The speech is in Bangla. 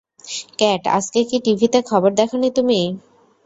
ক্যাট, আজকে কি টিভিতে খবর দেখোনি তুমি?